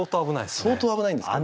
相当危ないんですけど。